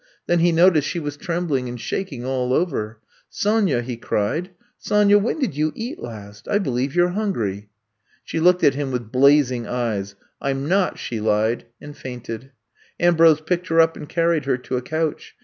Then he noticed she was trembling and shaking all over. Sonya, '' he cried. Sonya, when did you eat last f I believe you 're hungry!" She looked at him with blazing eyes. I 'm not," she lied, and fainted. Am brose picked her up and carried her to a couch.